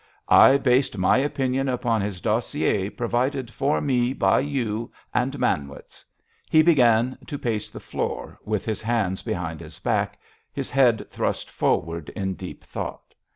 "I based my opinion upon his dossier provided for me by you and Manwitz." He began to pace the floor, with his hands behind his back, his head thrust forward in deep thought.